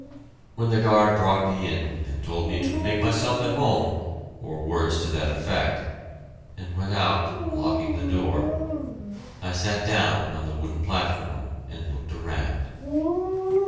When the guard brought me in and told me to "make myself at home" or words to that effect, and went out, locking the door, I sat down on the wooden platform, and looked around.